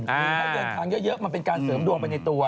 คือถ้าเดินทางเยอะมันเป็นการเสริมดวงไปในตัว